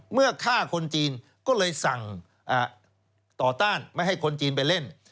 เมื่อฆ่าคนจีนก็เลยสั่งต่อต้านไม่ให้คนจีนไปเล่น